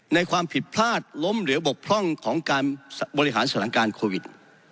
ความผิดพลาดล้มเหลบกพร่องของการบริหารสถานการณ์โควิด